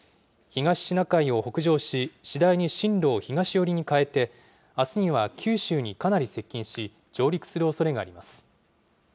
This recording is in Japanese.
東シナ海を北上し、次第に進路を東寄りに変えて、あすには九州にかなり接近し、上陸するおそれがあります。